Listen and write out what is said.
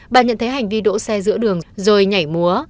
bà nhận thấy hành vi đỗ xe giữa đường rồi nhảy múa